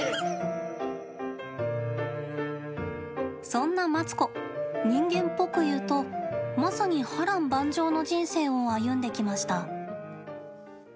そんなマツコ、人間っぽくいうとまさに、波乱万丈の人生を歩んできました。